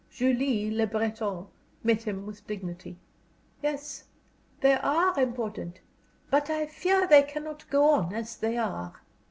Julie Le Breton met him with dignity. "Yes, they are important. But, I fear they cannot go on as they are."